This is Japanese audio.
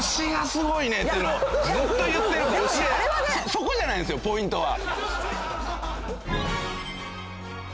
そこじゃないんですよポイントは。